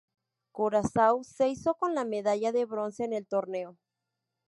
Curazao se hizo con la medalla de bronce en el torneo.